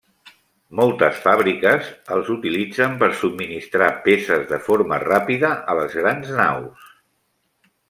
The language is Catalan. Moltes fàbriques els utilitzen per subministrar peces de forma ràpida a les grans naus.